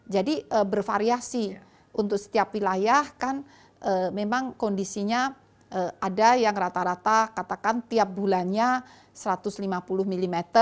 jadi bervariasi untuk setiap wilayah kan memang kondisinya ada yang rata rata katakan tiap bulannya satu ratus lima puluh mm